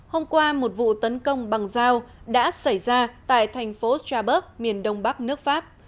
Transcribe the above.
hôm qua một vụ tấn công bằng dao đã xảy ra tại thành phố straburg miền đông bắc nước pháp